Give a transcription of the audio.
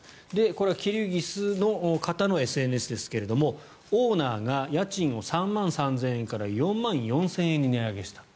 これはキルギスの方のＳＮＳですけれどもオーナーが家賃を３万３０００円から４万４０００円に値上げした。